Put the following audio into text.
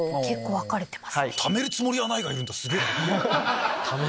「貯めるつもりはない」がいるんだすげぇな。